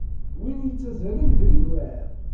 Win i yettazzalen gar yidurar.